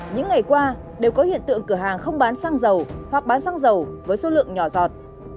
những ngày qua đều có hiện tượng cửa hàng không bán xăng dầu hoặc bán xăng dầu với số lượng nhỏ giọt